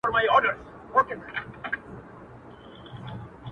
ښكلي دا ستا په يو نظر كي جــادو ـ